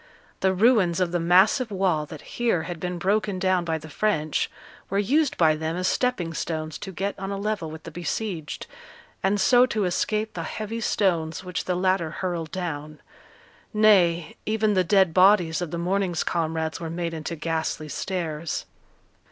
The ruins of the massive wall that here had been broken down by the French, were used by them as stepping stones to get on a level with the besieged, and so to escape the heavy stones which the latter hurled down; nay, even the dead bodies of the morning's comrades were made into ghastly stairs.